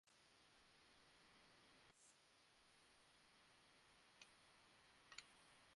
আমাদের পরিবারের সবারই কবির প্রতি ভালোবাসা, ভক্তি-শ্রদ্ধার কোনো কমতি ছিল না।